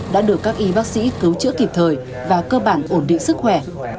đã được các y bác sĩ cứu chữa kịp thời và cơ bản ổn định sức khỏe